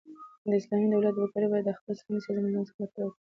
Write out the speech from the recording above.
د اسلامي دولت وګړي بايد د خپل اسلامي سیاسي نظام څخه ملاتړ وکړي.